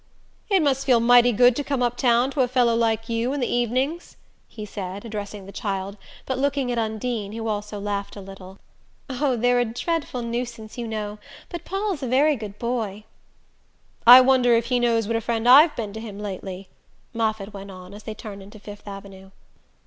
"It must feel mighty good to come uptown to a fellow like you in the evenings," he said, addressing the child but looking at Undine, who also laughed a little. "Oh, they're a dreadful nuisance, you know; but Paul's a very good boy." "I wonder if he knows what a friend I've been to him lately," Moffatt went on, as they turned into Fifth Avenue.